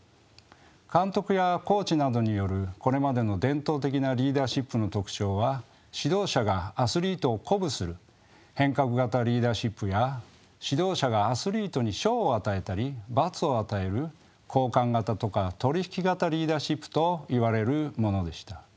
監督やコーチなどによるこれまでの伝統的なリーダーシップの特徴は指導者がアスリートを鼓舞する変革型リーダーシップや指導者がアスリートに賞を与えたり罰を与える交換型とか取引型リーダーシップといわれるものでした。